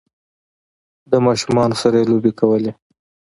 ماشومانو سره یی لوبې کولې